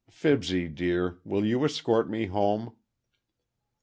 Fibsy, dear, will you escort me home?"